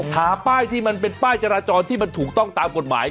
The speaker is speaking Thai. หาป้ายที่มันเป็นป้ายจราจรที่มันถูกต้องตามกฎหมาย